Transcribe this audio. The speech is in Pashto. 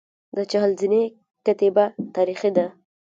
د چهل زینې کتیبه تاریخي ده